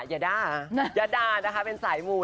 ยะดานะคะเป็นสายมูล